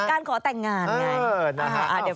การขอแต่งงานไง